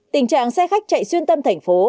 tình trạng xe khách chạy xuyên tâm thành phố